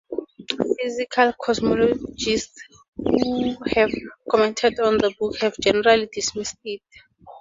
Physical cosmologists who have commented on the book have generally dismissed it.